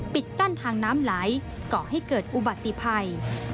ปิดกั้นทางน้ำไหลก่อให้เกิดอุบัติภัย